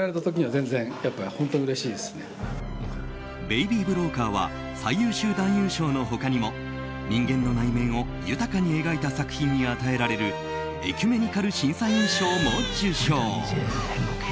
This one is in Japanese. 「ベイビー・ブローカー」は最優秀男優賞の他にも人間の内面を豊かに描いた作品に与えられるエキュメニカル審査員賞も受賞。